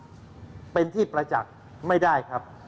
แต่ที่ที่จะยิ่งให้รอดก็กลายเป็นที่ประจักษ์อาทิตย์ไม่ได้